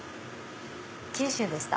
九州でした。